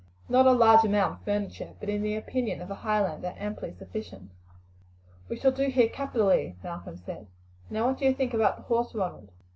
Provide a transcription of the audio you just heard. Nor a large amount of furniture, but, in the opinion of a Highlander, amply sufficient. "We shall do here capitally," Malcolm said. "Now, what do you think about the horse, Ronald?"